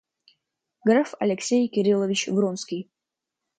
Граф Алексей Кириллович Вронский.